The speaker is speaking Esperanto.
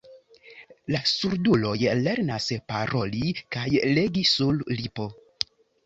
La surduloj lernas paroli kaj legi sur lipo.